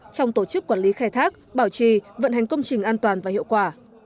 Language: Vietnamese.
trong tổ chức quản lý khai thác bảo trì vận hành công trình an toàn và hiệu quả